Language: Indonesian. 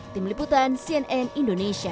tim liputan cnn indonesia